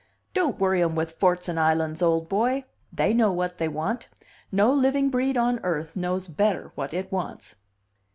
"Don't worry 'em with forts and islands, old boy! They know what they want. No living breed on earth knows better what it wants."